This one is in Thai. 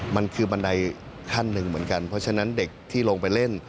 มันคือบันไดขั้นหนึ่งเหมือนกันเพราะฉะนั้นเด็กที่ลงไปเล่น